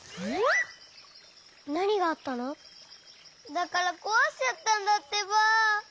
だからこわしちゃったんだってば。